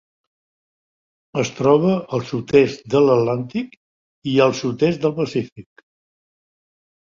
Es troba al sud-est de l'Atlàntic i el sud-est del Pacífic.